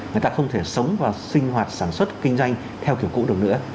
người ta không thể sống và sinh hoạt sản xuất kinh doanh theo kiểu cũ được nữa